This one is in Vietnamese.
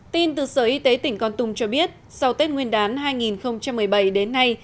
tin từ sở y tế tỉnh con tum cho biết sau tết nguyên đán hai nghìn một mươi bảy đến nay